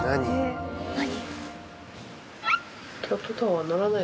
何？